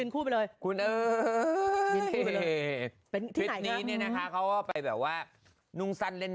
ผมชอบอันนี้มากเลย